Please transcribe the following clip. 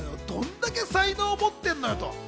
どんだけ才能、持ってんのよと。